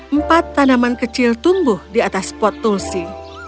empat tanaman kecil tumbuh di atas pot tulsi